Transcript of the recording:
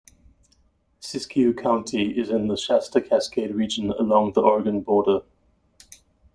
Siskiyou County is in the Shasta Cascade region along the Oregon border.